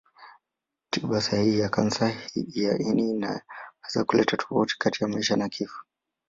Tiba sahihi ya kansa ya ini inaweza kuleta tofauti kati ya maisha na kifo.